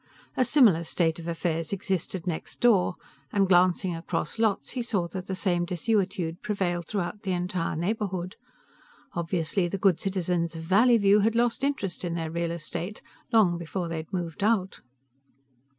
A similar state of affairs existed next door, and glancing across lots, he saw that the same desuetude prevailed throughout the entire neighborhood. Obviously the good citizens of Valleyview had lost interest in their real estate long before they had moved out.